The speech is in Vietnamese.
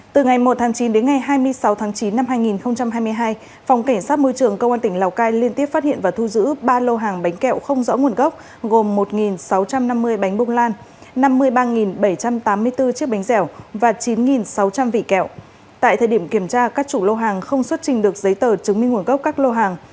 tại thời điểm kiểm tra các chủ lô hàng không xuất trình được giấy tờ chứng minh nguồn gốc các lô hàng